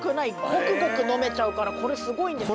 ゴクゴク飲めちゃうからこれすごいんですよ。